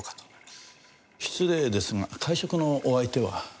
失礼ですが会食のお相手は？